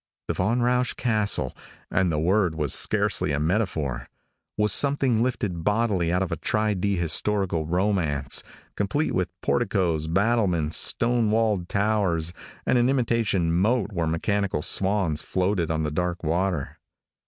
The Von Rausch castle and the word was scarcely a metaphor was something lifted bodily out of a Tri D historical romance, complete with porticos, battlements, stone walled towers and an imitation moat where mechanical swans floated on the dark water.